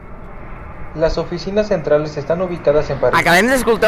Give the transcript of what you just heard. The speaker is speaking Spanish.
Las oficinas centrales están ubicadas en París.